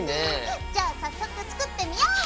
じゃあ早速作ってみよう！